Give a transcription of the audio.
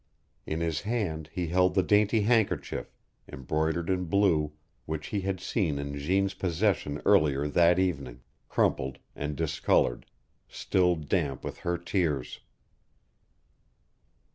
In his hand he held the dainty handkerchief, embroidered in blue, which he had seen in Jeanne's possession earlier that evening crumpled and discolored, still damp with her tears!